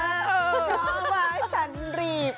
เพราะว่าฉันรีบ